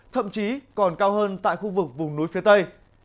thậm chí còn cao hơn tại khu vực vùng núi phía tây